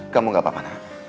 kamu gak apa apa